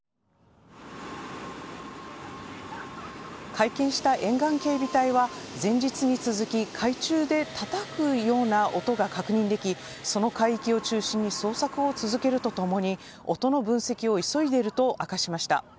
会見した沿岸警備隊は前日に続き、海中でたたくような音が確認できその海域を中心に捜索を続けるとともに音の分析を急いでいると明かしました。